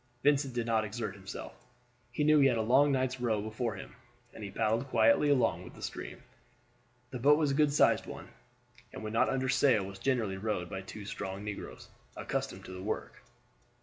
Vincent did not exert himself. He knew he had a long night's row before him, and he paddled quietly along with the stream. The boat was a good sized one, and when not under sail was generally rowed by two strong negroes accustomed to the work.